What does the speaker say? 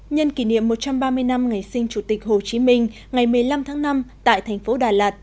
nhân kỷ niệm một trăm ba mươi năm ngày sinh chủ tịch hồ chí minh ngày một mươi năm tháng năm tại thành phố đà lạt